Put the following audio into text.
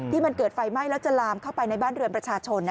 ที่มันเกิดไฟไหม้แล้วจะลามเข้าไปในบ้านเรือนประชาชน